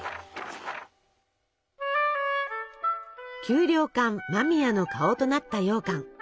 給糧艦間宮の顔となったようかん。